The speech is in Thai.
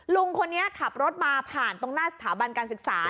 ลุงคนนี้ขับรถมาผ่านตรงหน้าสถาบันการศึกษา